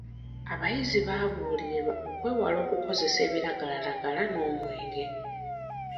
Abayizi baabuulirirwa okwewala okukozesa ebiragalalagala n'omwenge.